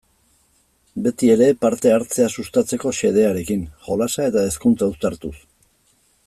Beti ere parte-hartzea sustatzeko xedearekin, jolasa eta hezkuntza uztartuz.